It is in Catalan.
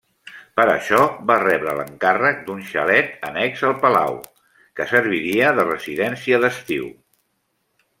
Per això va rebre l'encàrrec d'un xalet annex al palau, que serviria de residència d'estiu.